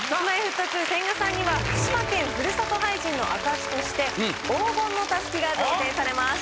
Ｋｉｓ−Ｍｙ−Ｆｔ２・千賀さんには福島県ふるさと俳人の証しとして黄金のタスキが贈呈されます。